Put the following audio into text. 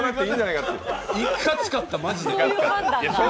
いかつかった、マジで。